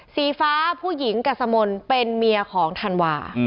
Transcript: สีฟ้าผู้หญิงกัสมนต์เป็นเมียของธันวา